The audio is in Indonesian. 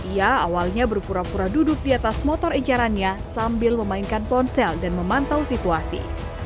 ia awalnya berpura pura duduk di atas motor ecarannya sambil memainkan ponsel dan memantau situasi